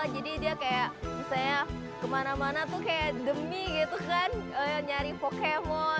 jadi dia kayak misalnya kemana mana tuh kayak demi gitu kan nyari pokemon